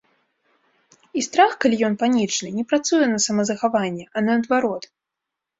І страх, калі ён панічны, не працуе на самазахаванне, а наадварот.